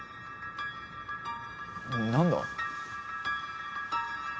何だ？